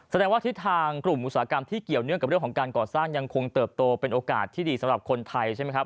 ว่าทิศทางกลุ่มอุตสาหกรรมที่เกี่ยวเนื่องกับเรื่องของการก่อสร้างยังคงเติบโตเป็นโอกาสที่ดีสำหรับคนไทยใช่ไหมครับ